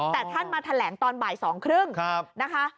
แต่ท่านมาแถลงตอนบ่าย๒๓๐นะคะ